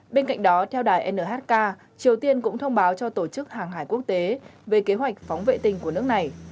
bên cạnh đó theo đài nhk triều tiên cũng thông báo cho tổ chức hàng hải quốc tế về kế hoạch phóng vệ tinh của nước này